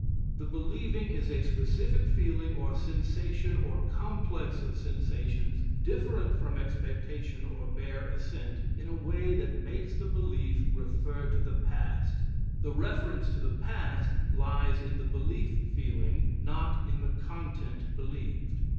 The believing is a specific feeling or sensation or complex of sensations, different from expectation or bare assent in a way that makes the belief refer to the past; the reference to the past lies in the belief feeling, not in the content believed.